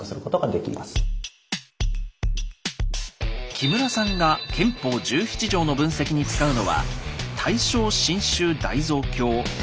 木村さんが憲法十七条の分析に使うのは通称「ＳＡＴ」。